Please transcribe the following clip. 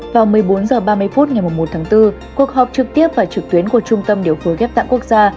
vào một mươi bốn h ba mươi phút ngày một một bốn cuộc họp trực tiếp và trực tuyến của trung tâm điều phúi ghép tặng quốc gia